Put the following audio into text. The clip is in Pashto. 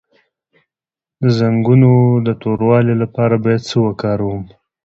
د زنګونونو د توروالي لپاره باید څه شی وکاروم؟